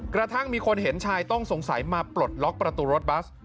กระทั่งมีคนเห็นชายต้องสงสัยมาปลดล็อกประตูรถบัส